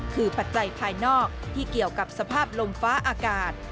คือปัจจัยภายนอกที่เกี่ยวกับสภาพลมฟ้าอากาศ